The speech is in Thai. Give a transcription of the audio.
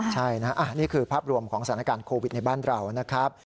ใช่นะนี่คือภาพรวมของสถานการณ์โควิดในบ้านเรานะครับ